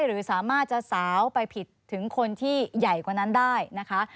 หรือสามารถจะสาวไปผิดถึงคนที่ใหญ่กว่านั้นได้นะคะ